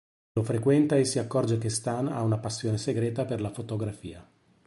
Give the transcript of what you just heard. Lo frequenta e si accorge che Stan ha una passione segreta per la fotografia.